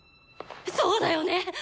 そうだよね！